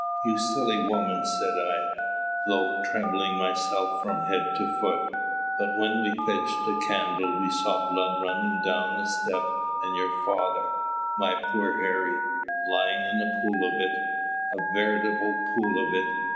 'You silly woman!' said I, though trembling myself from head to foot. But when we fetched a candle, we saw blood running down the step, and your father my poor Harry! lying in a pool of it a veritable pool of it.